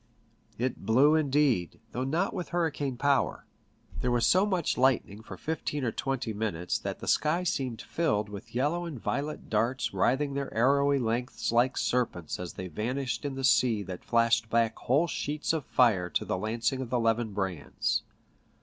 It blew, indeed, though not with hurricane power. There was so much light ning for fifteen or twenty minutes that the sky seemed filled with yellow and violet darts writhing their arrowy lengths like serpents as they vanished in the sea that flashed back whole sheets of fire to the lancing of the levin brands.